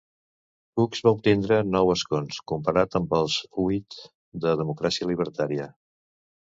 Cucs va obtindre nou escons comparat amb els huit de Democràcia Llibertària.